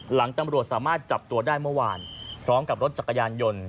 หลังตำรวจสามารถจับตัวได้เมื่อวานพร้อมกับรถจักรยานยนต์